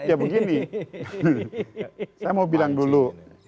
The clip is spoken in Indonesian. ya begini saya mau bilang dulu